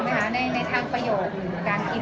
นึกออกไหมครับในทางประโยคการกิน